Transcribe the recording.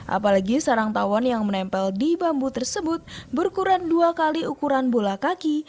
apalagi sarang tawon yang menempel di bambu tersebut berukuran dua kali ukuran bola kaki